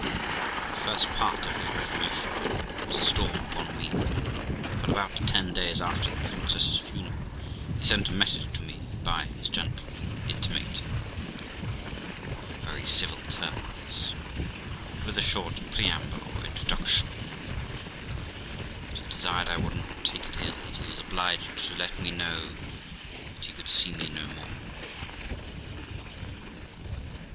The first part of his reformation was a storm upon me; for, about ten days after the princess's funeral, he sent a message to me by his gentleman, intimating, though in very civil terms, and with a short preamble or introduc tion, that he desired I would not take it ill that he was obliged to let me know that he could see me no more.